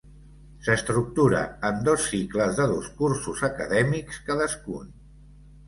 S'estructura en dos cicles de dos cursos acadèmics cadascun.